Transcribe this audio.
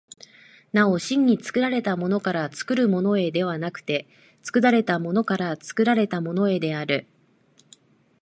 なお真に作られたものから作るものへではなくて、作られたものから作られたものへである。